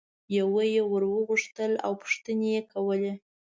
یوه یي ور غوښتل او پوښتنې یې کولې.